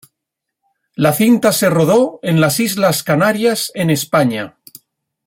La cinta se rodó en las Islas Canarias en España.